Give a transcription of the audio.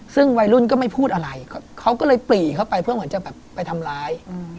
ซึ่งวัยรุ่นก็ไม่พูดอะไรเขาก็เลยปรีเข้าไปเพื่อเหมือนจะแบบไปทำร้าย